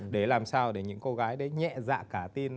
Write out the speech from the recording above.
để làm sao để những cô gái đấy nhẹ dạ cả tin